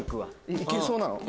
行けそうなの？